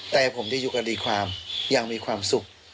แต่ผมจะอยู่กับดีความยังมีความสุข